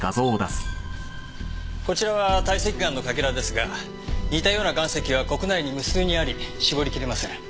こちらは堆積岩のかけらですが似たような岩石は国内に無数にあり絞りきれません。